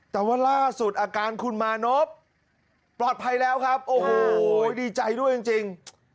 แต่ว่าล่าสุดอาการคุณมานพปลอดภัยแล้วครับโอ้โหดีใจด้วยจริง